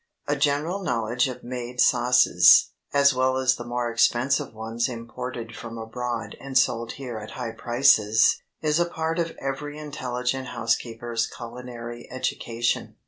A general knowledge of made sauces, as well as the more expensive ones imported from abroad and sold here at high prices, is a part of every intelligent housekeeper's culinary education.